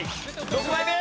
６枚目！